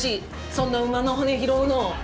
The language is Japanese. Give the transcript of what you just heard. そんな馬の骨拾うの。